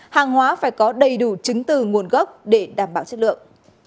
hàng hóa phải có đầy đủ chứng từ nguồn gốc để đảm bảo chất lượng